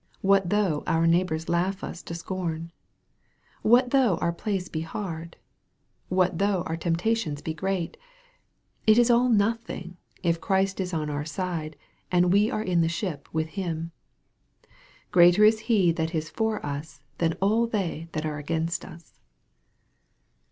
What though our neighbors laugh us to scorn ? What though our place be hard ? What though our temptations be great ? It is all nothing, if Christ is on our side, and we are in the ship with Him. Greater is He that is for us, than all they that are against us.